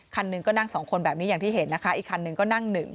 คันนึงก็นั่ง๒คนแบบนี้อย่างที่เห็นนะคะอีกคันนึงก็นั่ง๑